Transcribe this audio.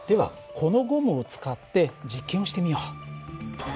このゴムを使って実験をしてみよう。